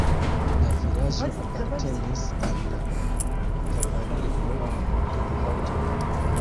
La vilaĝo apartenis al la kavaliroj de Malto.